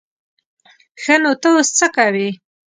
ښه نو ته اوس څه کوې؟